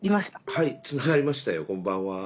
はいつながりましたよこんばんは。